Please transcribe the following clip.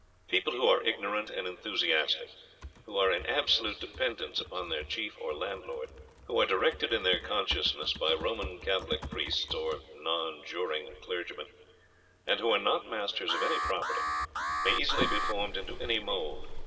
"People who are ignorant and enthusiastic, who are in absolute dependence upon their chief or landlord, who are directed in their consciences by Roman Catholic priests, or nonjuring clergymen, and who are not masters of any property, may easily be formed into any mould.